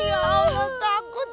ya allah takut tau